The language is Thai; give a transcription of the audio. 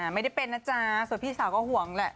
ไม่ได้เป็นนะจ๊ะส่วนพี่สาวก็ห่วงแหละ